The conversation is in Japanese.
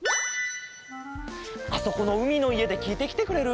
あそこのうみのいえできいてきてくれる？